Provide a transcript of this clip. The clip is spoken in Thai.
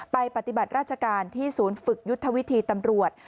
ปฏิบัติราชการที่ศูนย์ฝึกยุทธวิธีตำรวจ